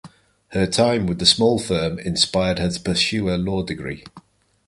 Her time with the small firm inspired her to pursue her law degree.